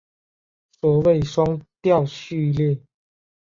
所谓双调序列。